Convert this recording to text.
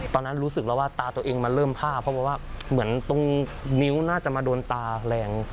ตอนนั้นรู้สึกแล้วว่าตาตัวเองมันเริ่มผ้าเพราะว่าเหมือนตรงนิ้วน่าจะมาโดนตาแรง